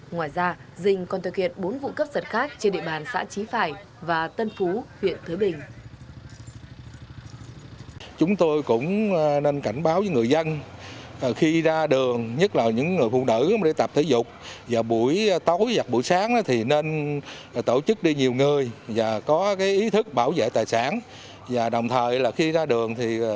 ngoài ra dình còn thực hiện bốn vụ cấp giật khác trên địa bàn xã trí phải và tân phú huyện thới bình